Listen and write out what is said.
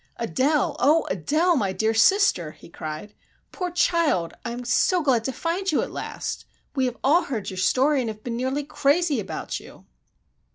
"Adele! Oh, Adele! My dear sister!" he cried. "Poor child, I am so glad to find you at last! We have all heard your story and have been nearly crazy about you!"